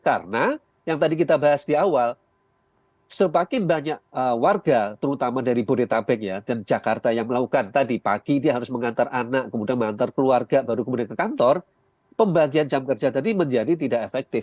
karena yang tadi kita bahas di awal sepakin banyak warga terutama dari bodetabek dan jakarta yang melakukan tadi pagi dia harus mengantar anak kemudian mengantar keluarga baru kemudian ke kantor pembagian jam kerja tadi menjadi tidak efektif